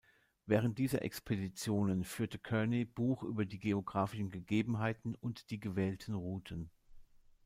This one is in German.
Während dieser Expeditionen führte Kearny Buch über die geografischen Gegebenheiten und die gewählten Routen.